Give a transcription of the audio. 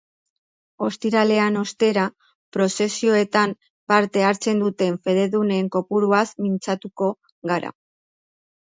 Ostiralean, ostera, prozesioetan parte hartzen duten fededunen kopuruaz mintzatuko gara.